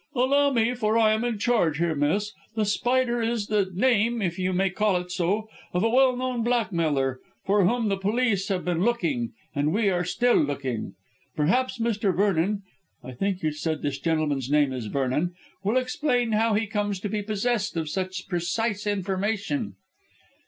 "Allow me, for I am in charge here, miss. The Spider is the name if you may call it so of a well known blackmailer, for whom the police have been looking, and are still looking. Perhaps, Mr. Vernon I think you said that this gentleman's name is Vernon will explain how he comes to be possessed of such precise information."